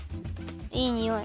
いいにおい。